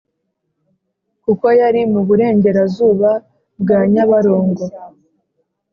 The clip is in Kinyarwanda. kuko yari mu burengerazuba bwa nyabarongo